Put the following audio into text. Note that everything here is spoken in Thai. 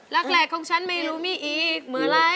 ลักแหลกของฉันไม่รู้มีอีกเมื่อไร